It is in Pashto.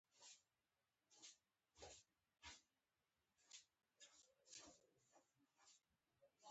دا پیسې نورې بې مصرفه نه پاتې کېږي